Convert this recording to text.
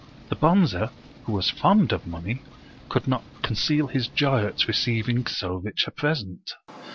The Bonze, who was fond of money, could not conceal his joy at receiving so rich a present.